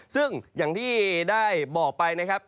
ซึ่งอย่างที่ได้บอกไปนะครับ